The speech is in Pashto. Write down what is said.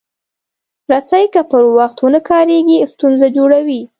رسۍ که پر وخت ونه کارېږي، ستونزه جوړوي.